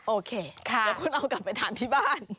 โอเคเดี๋ยวคุณเอากลับไปทานที่บ้าน